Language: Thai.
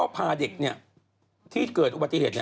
พาเด็กที่เกิดอุบัติเหตุ